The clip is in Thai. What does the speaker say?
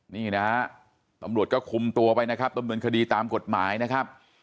นี่นะฮะตำรวจก็คุมตัวไปนะครับดำเนินคดีตามกฎหมายนะครับ